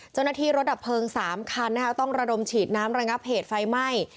เจ้าหน้าที่รถดับเพลิง๓คันต้องระดมฉีดน้ำระงับเหตุไฟไหม้